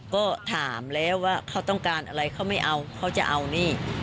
ก็ถามแล้วว่าเขาต้องการอะไรเขาไม่เอาเขาจะเอานี่